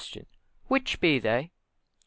Which be they? A.